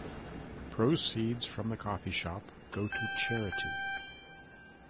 Proceeds from the coffee shop go to charity.